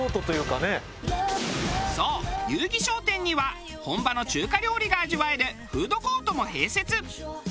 そう友誼商店には本場の中華料理が味わえるフードコートも併設。